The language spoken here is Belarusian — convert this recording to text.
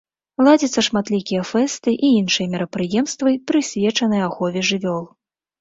Ладзяцца шматлікія фэсты і іншыя мерапрыемствы, прысвечаныя ахове жывёл.